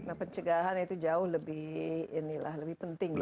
nah pencegahan itu jauh lebih ini lah lebih penting ya